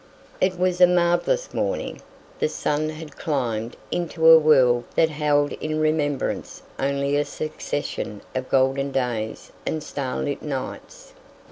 It was a marvelous morning. The sun had climbed into a world that held in remembrance only a succession of golden days and starlit nights.